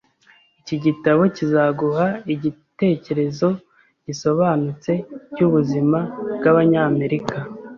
Iki gitabo kizaguha igitekerezo gisobanutse cyubuzima bwabanyamerika.